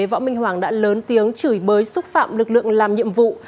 võ minh hoàng đã lớn tiếng chửi bới xúc phạm lực lượng làm nhiệm vụ